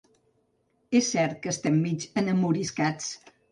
És cert que estem mig enamoriscats.